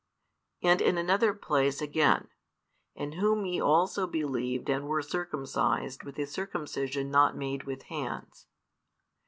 And in another place, again: In Whom ye also believed and were circumcised with a circumcision not made with hands.